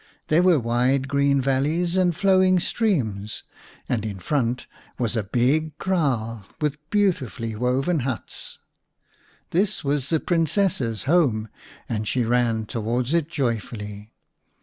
There were wide green valleys and flowing streams, and in front was a big kraal with beautifully woven huts. This was the Princess's home, and she ran towards it joyfully.